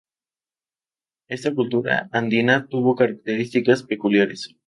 Esta cultura andina tuvo características peculiares.